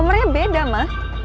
nomornya beda ma